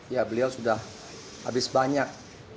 ya beliau sudah habis banyak